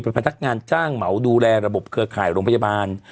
เป็นพนักงานจ้างเหมาดูแลระบบเครือข่ายโรงพยาบาล